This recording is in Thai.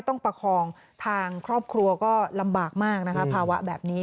ประคองทางครอบครัวก็ลำบากมากนะคะภาวะแบบนี้